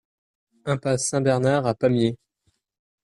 Impasse Saint-Bernard à Pamiers